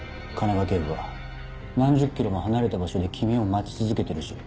鐘場警部は何十ｋｍも離れた場所で君を待ち続けてるし